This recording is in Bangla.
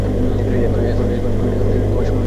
এখন, শুনুন সবাই!